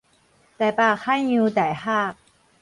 臺北海洋大學